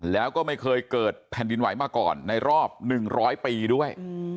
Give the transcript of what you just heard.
แล้วก็ไม่เคยเกิดแผ่นดินไหวมาก่อนในรอบ๑๐๐ปีด้วย